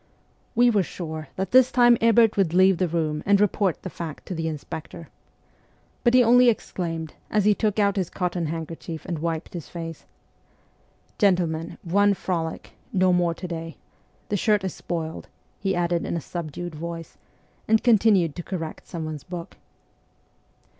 We were sure that this time Ebert would leave the room and report the fact to the inspector. But he only exclaimed, as he took out his cotton handkerchief and wiped his face, ' Gentlemen, one frolic no more to day ! The shirt is spoiled/ he added in a subdued voice, and continued to correct someone's book.